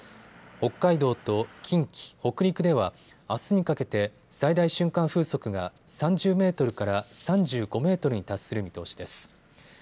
北海道と近畿、北陸ではあすにかけて最大瞬間風速が３０メートルから３５メートルに達する見通しです。